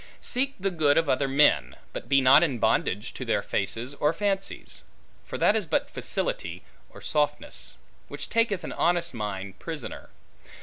Seek the good of other men, but be not in bondage to their faces or fancies; for that is but facility, or softness; which taketh an honest mind prisoner.